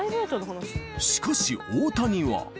しかし、大谷は。